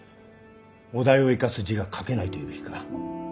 お題を生かす字が書けないと言うべきか。